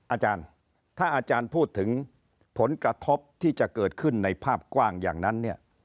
อาจารย์ถ้าอาจารย์พูดถึงผลกระทบที่จะเกิดขึ้นในภาพกว้างอย่างนั้นเนี่ย